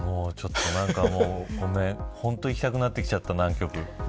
ちょっとごめん、本当に行きたくなってきちゃった南極。